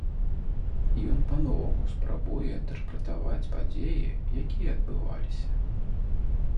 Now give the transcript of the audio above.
Ён па-новаму спрабуе інтэрпрэтаваць падзеі, якія адбываліся.